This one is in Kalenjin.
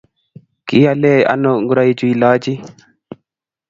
kialee ano ngoroicho ilochi?